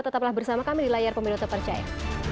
tetaplah bersama kami di layar pemilu terpercaya